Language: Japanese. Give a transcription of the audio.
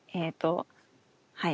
はい。